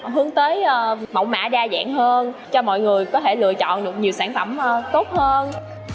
hướng tới mẫu mã đa dạng hơn cho mọi người có thể lựa chọn được nhiều sản phẩm tốt hơn